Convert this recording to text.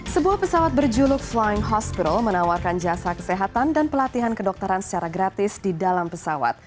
sebuah pesawat berjuluk flying hospital menawarkan jasa kesehatan dan pelatihan kedokteran secara gratis di dalam pesawat